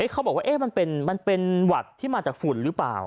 เขาบอกว่ามันเป็นหวัดที่มาจากฝุ่นหรือเปล่า